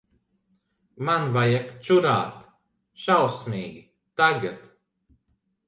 Man vajag čurāt. Šausmīgi. Tagad.